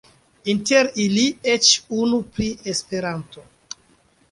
Inter ili eĉ unu pri Esperanto.